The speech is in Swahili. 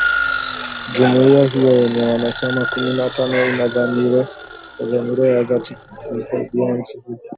jumuia hiyo yenye wanachama kumi na tano inadhamira ya dhati kuzisaidia nchi hizo